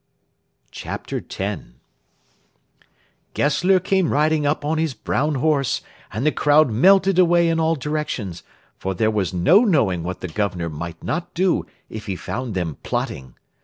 CHAPTER X Gessler came riding up on his brown horse, and the crowd melted away in all directions, for there was no knowing what the Governor might not do if he found them plotting.